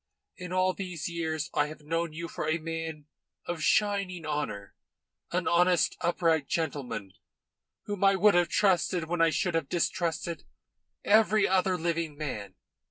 In all these years I have known you for a man of shining honour, an honest, upright gentleman, whom I would have trusted when I should have distrusted every other living man.